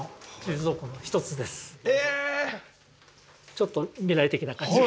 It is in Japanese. ちょっと未来的な感じが。